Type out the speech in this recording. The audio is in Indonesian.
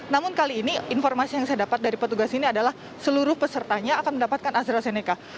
namun kali ini informasi yang saya dapat dari petugas ini adalah seluruh pesertanya akan mendapatkan astrazeneca